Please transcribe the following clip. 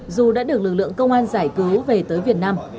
dù đã được lực lượng công an giải cứu về tới việt nam